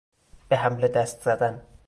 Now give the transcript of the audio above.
به حمله دست زدن